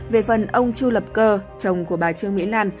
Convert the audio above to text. về phần ông chu lập cơ chồng của bà trương mỹ lan